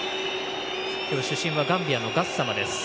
今日、主審はガンビアのガッサマです。